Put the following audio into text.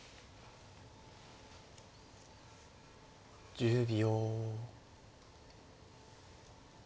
１０秒。